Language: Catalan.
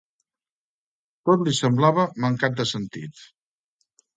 Tot li semblava mancat de sentit.